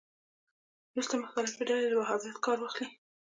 وروسته مختلفې ډلې له وهابیت کار واخلي